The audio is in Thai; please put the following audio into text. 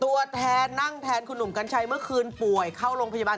ตัวแทนนั่งแทนคุณหนุ่มกัญชัยเมื่อคืนป่วยเข้าโรงพยาบาล